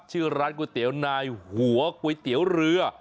ชื่อร้านก๋วยเตี๋ยวนายหัวก๋วยเตี๋ยวเรือ